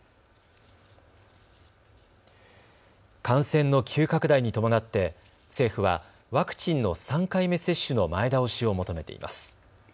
感染の急拡大に伴って政府はワクチンの３回目接種の前倒しを求めています。